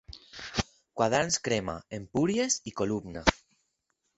Quaderns Crema, Empúries i Columna.